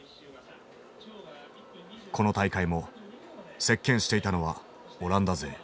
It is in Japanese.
この大会も席けんしていたのはオランダ勢。